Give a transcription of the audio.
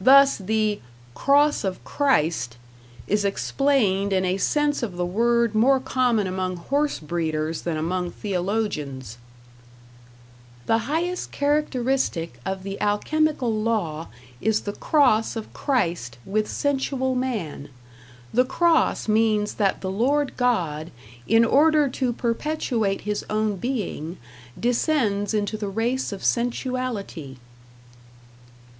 Thus the "cross of Christ" is explained in a sense of the word more common among horse breeders than among theologians: The highest characteristic of the alchemical law is the cross of Christ with sensual man. The cross means that the Lord God, in order to perpetuate his own being, descends into the race of sensuality.